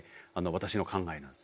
私の考えなんですね。